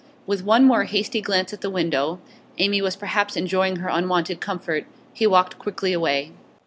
With one more hasty glance at the window Amy was perhaps enjoying her unwonted comfort he walked quickly away.